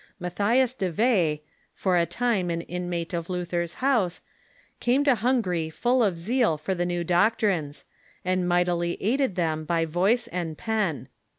Matthias Devay, for a time an inmate of Luther's house, came to Hun gary full of zeal for the new doctrines, and mightily aided them by voice and pen.